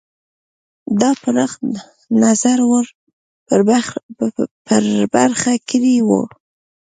دا پراخ نظر ور په برخه کړی وو.